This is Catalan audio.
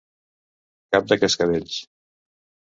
Cap de cascavells.